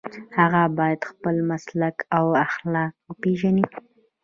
هغه باید خپل مسلک او اخلاق وپيژني.